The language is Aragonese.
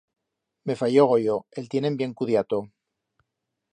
Me fayió goyo, el tienen bien cudiato.